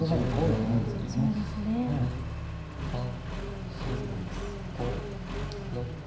ここはすごいです。